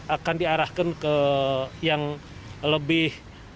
akan diarahkan ke yang lebih